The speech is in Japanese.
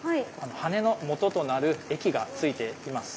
羽根のもととなる液がついています。